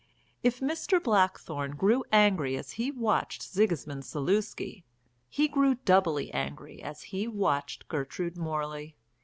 If Mr. Blackthorne grew angry as he watched Sigismund Zaluski, he grew doubly angry as he watched Gertrude Morley.